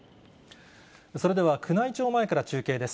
それでは宮内庁前から中継です。